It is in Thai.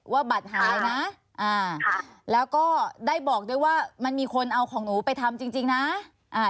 ว่าบัตรหายนะแล้วก็ได้บอกด้วยว่ามันมีคนเอาของหนูไปทำจริงนะ